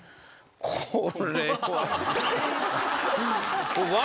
これは。笑